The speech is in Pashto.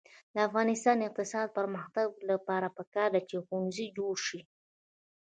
د افغانستان د اقتصادي پرمختګ لپاره پکار ده چې ښوونځي جوړ شي.